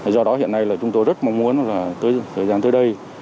do đó hiện nay chúng tôi rất mong muốn thời gian tới đây